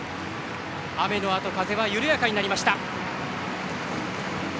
雨のあと風は緩やかになりました。